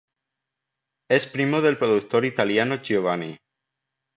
Es primo del productor italiano Giovanni.